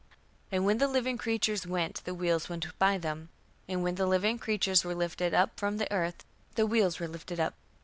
And when the living creatures went, the wheels went by them; and when the living creatures were lifted up from the earth, the wheels were lifted up.